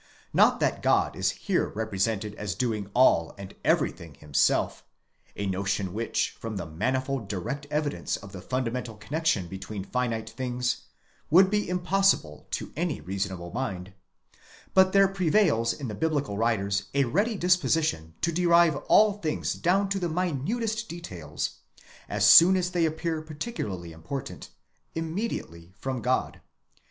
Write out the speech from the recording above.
Not that God is here represented as doing all and every thing himself :—a notion which, from the manifold direct evidence of the fundamental connexion between finite things, would be impossible to any reasonable mind:—but there prevails in the biblical writers a ready disposition to derive all things down to the minutest details, as soon as they appear particularly important, immediately from God.